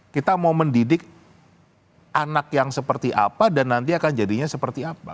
kita mau mendidik anak yang seperti apa dan nanti akan jadinya seperti apa